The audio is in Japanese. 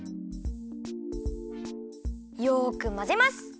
よくまぜます。